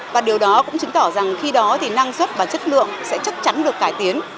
và điều đó cũng chứng tỏ rằng khi đó thì năng suất và chất lượng sẽ chắc chắn được cải tiến